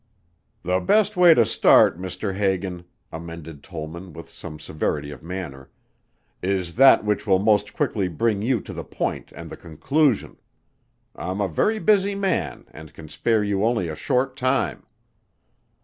'" "The best way to start, Mr. Hagan," amended Tollman with some severity of manner, "is that which will most quickly bring you to the point and the conclusion. I'm a very busy man and can spare you only a short time."